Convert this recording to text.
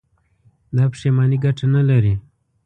دا پښېماني گټه نه لري.